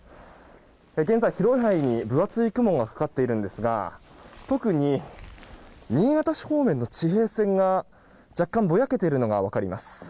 現在、広い範囲に分厚い雲がかかっているんですが特に新潟市方面の地平線が若干ぼやけているのが分かります。